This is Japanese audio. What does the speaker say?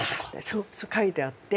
そう書いてあって。